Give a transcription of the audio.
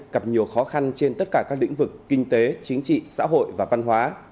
gặp nhiều khó khăn trên tất cả các lĩnh vực kinh tế chính trị xã hội và văn hóa